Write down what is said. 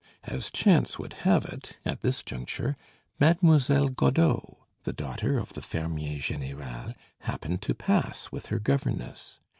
As chance would have it, at this juncture, Mademoiselle Godeau, the daughter of the fermier général, happened to pass with her governess.